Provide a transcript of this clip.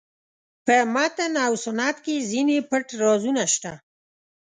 په متن او سنت کې ځینې پټ رازونه شته.